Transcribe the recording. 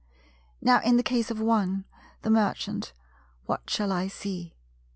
Now in the case of (1) the Merchant, what shall I see?